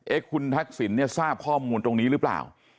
คุณทักษิณเนี่ยทราบข้อมูลตรงนี้หรือเปล่า